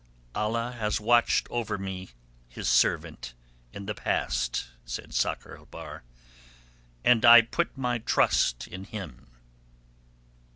"Allah has watched over me his servant in the past," said Sakr el Bahr, "and I put my trust in Him."